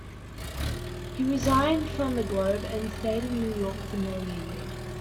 He resigned from "The Globe" and stayed in New York for nearly a year.